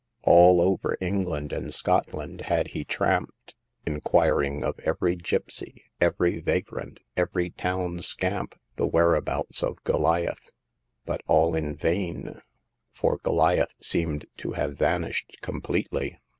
All over England and Scotland had he tramped, inquiring of every gipsy, every vagrant, every town scamp, the whereabouts of Goliath ; but all in vain, for Goliath seemed to have vanished completely.